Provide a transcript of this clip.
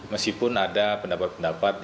meskipun ada pendapat pendapat